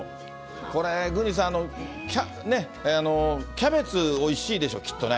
これ、郡司さん、キャベツ、おいしいでしょ、きっとね。